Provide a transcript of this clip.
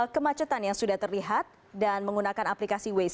kemacetan yang sudah terlihat dan menggunakan aplikasi waze